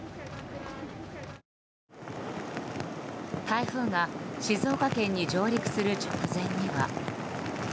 台風が静岡県に上陸する直前には。